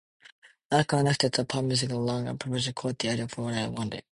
Not connected to pop music, a long improvisatory quality, ideal for what I wanted.